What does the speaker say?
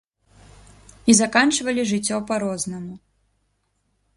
І заканчвалі жыццё па-рознаму.